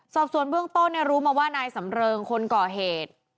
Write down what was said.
สอบส่วนเบื้องต้นรู้มาว่านายสำเริงคนก่อเหตุ